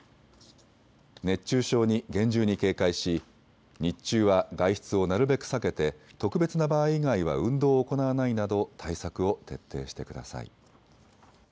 熱中症に厳重に警戒し日中は外出をなるべく避けて特別な場合以外は運動を行わないなど対策を徹底してください。